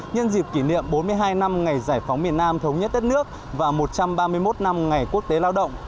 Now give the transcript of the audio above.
nhân dịp kỷ niệm bốn mươi hai năm ngày giải phóng miền nam thống nhất đất nước và một trăm ba mươi một năm ngày quốc tế lao động